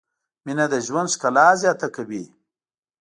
مینه د ژوند ښکلا زیاته کوي.